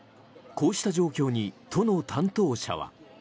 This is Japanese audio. こうした状況に都の担当者は。